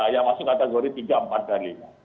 yang masuk kategori tiga empat dari